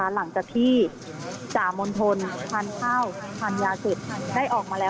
หลังจากที่จามนทรพันธุ์ข้าวพันธุ์ยาเสร็จได้ออกมาแล้ว